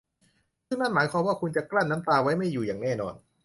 ซึ่งนั่นหมายความว่าคุณจะกลั้นน้ำตาไว้ไม่อยู่อย่างแน่นอน